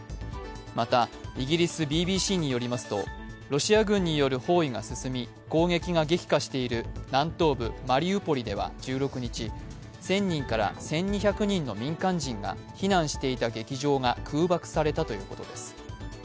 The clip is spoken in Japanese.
また、イギリス・ＢＢＣによりますとロシア軍による包囲が進み、攻撃が激化している南東部マリウポリでは１６日、１０００人から１２００人の民間人が避難している劇場が空爆されたということです。